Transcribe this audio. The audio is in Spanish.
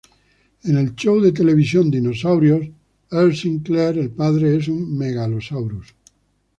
En el show de televisión "Dinosaurios", Earl Sinclair, el padre, es un "Megalosaurus".